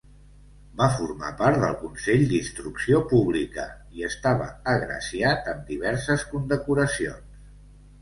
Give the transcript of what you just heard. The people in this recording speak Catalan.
Va formar part del Consell d'Instrucció pública i estava agraciat amb diverses condecoracions.